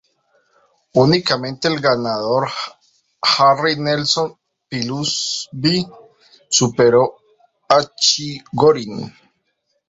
Únicamente el ganador, Harry Nelson Pillsbury, superó a Chigorin.